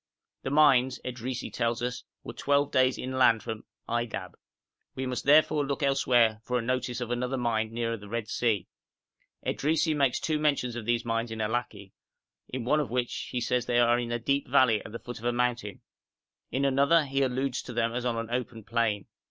The mines, Edrisi tells us, were twelve days inland from Aydab. We must therefore look elsewhere for a notice of another mine nearer the Red Sea. Edrisi makes two mentions of these mines of Allaki, in one of which he says they are in a deep valley at the foot of a mountain; in another he alludes to them as on an open plain.